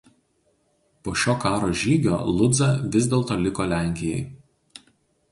Po šio karo žygio Ludza vis dėlto liko Lenkijai.